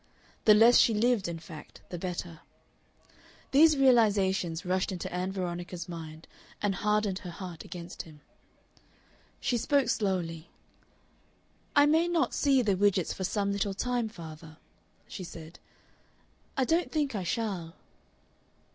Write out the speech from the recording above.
The less she lived, in fact, the better. These realizations rushed into Ann Veronica's mind and hardened her heart against him. She spoke slowly. "I may not see the Widgetts for some little time, father," she said. "I don't think I shall."